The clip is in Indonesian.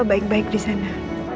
papa baik baik disana